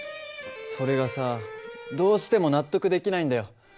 それがさどうしても納得できないんだよ。